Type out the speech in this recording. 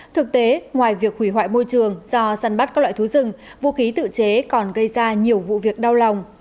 thực tế ngoài việc hủy hoại môi trường do săn bắt các loại thú rừng vũ khí tự chế còn gây ra nhiều vụ việc đau lòng